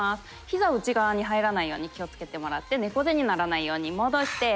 膝内側に入らないように気を付けてもらって猫背にならないように戻して。